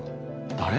誰？